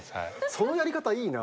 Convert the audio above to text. そのやり方いいな。